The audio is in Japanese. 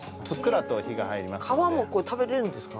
きれいに皮も食べれるんですか？